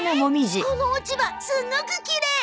この落ち葉すごくきれい！